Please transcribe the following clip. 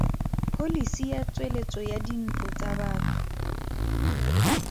Pholisi ya Tsweletso ya Dintlo tsa Batho.